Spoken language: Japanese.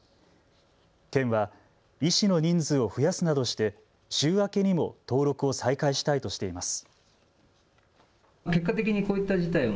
県は医師の人数を増やすなどして週明けにも登録を再開したいとしています。